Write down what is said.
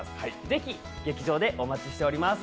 ぜひ劇場でお待ちしております。